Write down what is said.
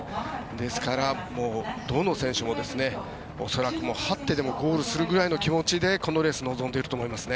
ですから、どの選手も恐らく這ってでもゴールするぐらいの気持ちで望んでいると思いますね。